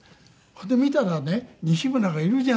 で見たらね西村がいるじゃないですか。